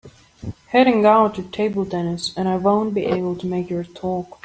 Heading out to table tennis and I won’t be able to make your talk.